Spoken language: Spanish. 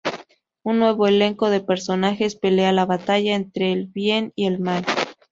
Un nuevo elenco de personajes pelea la batalla entre el Bien y el Mal.